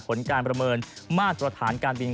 ผลการประเมินมาตรฐานการบิน